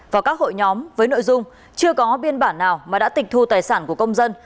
vào các hội nhóm với nội dung chưa có biên bản nào mà đã tịch thu tài sản của công dân